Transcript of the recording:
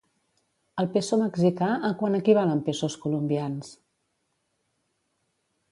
El peso mexicà a quant equival en pesos colombians?